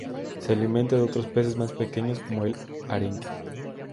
Se alimenta de otros peces más pequeños, como el arenque.